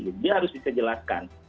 jadi harus bisa jelaskan